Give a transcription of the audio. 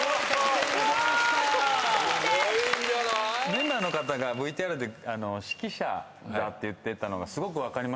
メンバーの方がＶＴＲで指揮者だって言ってたのがすごく分かりました。